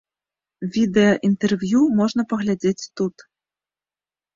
Відэа інтэрв'ю можна паглядзець тут.